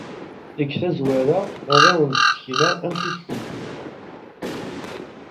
Deg tazwara, ad awen-d-sekneɣ amek i tetteddu.